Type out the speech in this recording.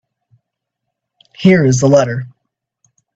Here is the letter.